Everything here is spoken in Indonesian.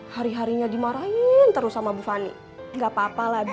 hari harinya dimarahin terus sama bu fani gapapa lah bi